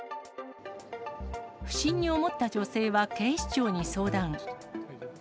不審に思った女性は、警視庁に相談。